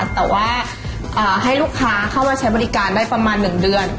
แต่ว่าให้ลูกค้าเข้ามาใช้บริการได้ประมาณ๑เดือน